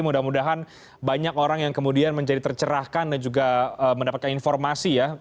mudah mudahan banyak orang yang kemudian menjadi tercerahkan dan juga mendapatkan informasi ya